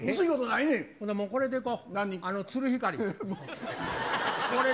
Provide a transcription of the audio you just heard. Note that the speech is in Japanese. ほなもう、これでいこう。